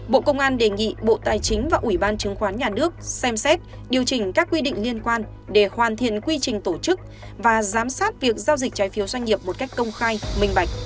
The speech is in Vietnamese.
bộ công an đề nghị bộ tài chính và ủy ban chứng khoán nhà nước xem xét điều chỉnh các quy định liên quan để hoàn thiện quy trình tổ chức và giám sát việc giao dịch trái phiếu doanh nghiệp một cách công khai minh bạch